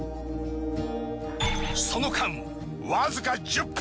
その間わずか１０分。